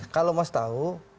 kalau mas tahu